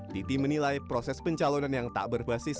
titi menilai proses pencalonan yang tak berbasis